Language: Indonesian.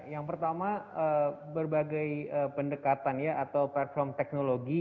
yang pertama berbagai pendekatan ya atau platform teknologi